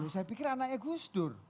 saya pikir anaknya gus dur